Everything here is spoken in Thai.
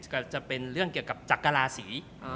ก็จะเป็นเรื่องเกี่ยวกับจักราศี